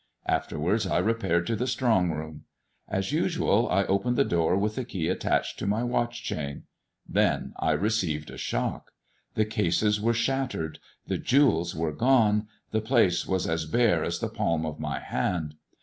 Afterwards I repaired to the strong room. As usual, I opened the door with the key attached to my watch chain. Then I received a shock. The cases were shattered ; the jewels were gone ; the place was as bare as the palm of my hand.